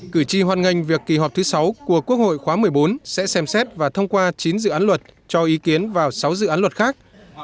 cử tri hoan nghênh việc kỳ họp thứ sáu của quốc hội khóa một mươi bốn sẽ xem xét và thông qua chín dự án luật cho ý kiến vào sáu dự án luật khác